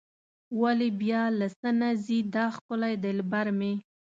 ولې بیا له څه نه ځي دا ښکلی دلبر مې.